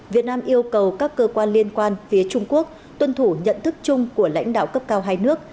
việt nam yêu cầu các cơ quan liên quan phía trung quốc tuân thủ nhận thức chung của lãnh đạo cấp cao hai nước